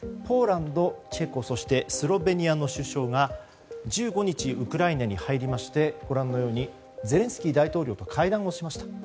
ポーランド、チェコそして、スロベニアの首相が１５日、ウクライナに入りましてご覧のようにゼレンスキー大統領と会談をしました。